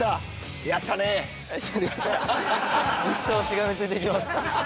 やりました一生しがみついていきます